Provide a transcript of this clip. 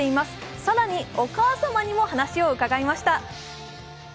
更に、お母様にも話を伺いました。